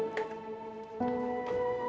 bukan punya berantakan